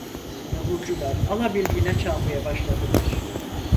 Davulcular alabildiğine çalmaya başladılar.